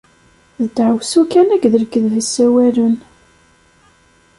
D deɛwessu kan akked lekdeb i ssawalen.